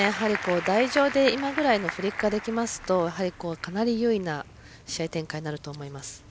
台上で今ぐらいのフリックができますとかなり優位な試合展開になると思います。